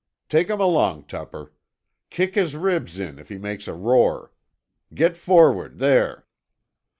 Take him along, Tupper. Kick his ribs in, if he makes a roar. Get forrad, there."